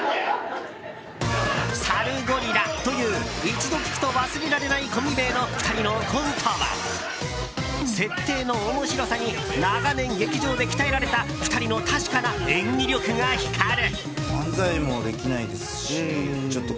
サルゴリラという一度聞くと忘れられないコンビ名の２人のコントは設定の面白さに長年劇場で鍛えられた２人の確かな演技力が光る。